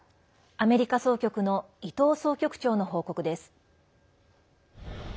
アメリカ総局の伊藤総局長の報告です。